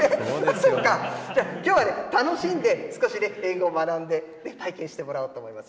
そっか、じゃあ、きょうは楽しんで、少しね、英語を学んで体験してもらおうと思います。